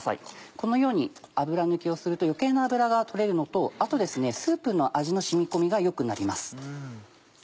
このように油抜きをすると余計な油が取れるのとあとスープの味の染み込みが良くなります。